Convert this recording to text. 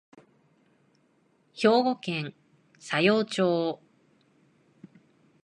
兵庫県佐用町